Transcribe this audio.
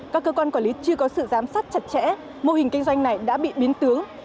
các cơ quan quản lý chưa có sự giám sát chặt chẽ mô hình kinh doanh này đã bị biến tướng